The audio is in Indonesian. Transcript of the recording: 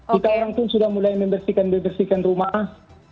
kita orang pun sudah mulai membersihkan membersihkan rumah